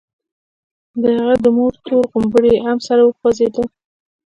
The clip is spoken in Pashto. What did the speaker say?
د هغه د مور تور غومبري هم سره وخوځېدل.